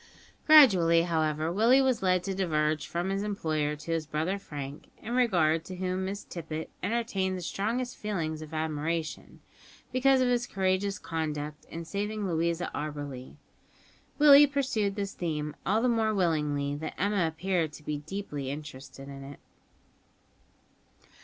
Gradually, however, Willie was led to diverge from his employer to his brother Frank, in regard to whom Miss Tippet entertained the strongest feelings of admiration, because of his courageous conduct in saving Louisa Auberly. Willie pursued this theme all the more willingly that Emma appeared to be deeply interested in it.